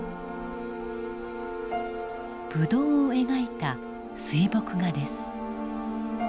ブドウを描いた水墨画です。